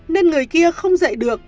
nên người kia không dậy được